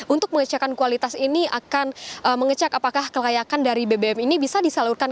untuk mengecekkan kualitas ini akan mengecek apakah kelayakan dari bbm ini bisa disalurkan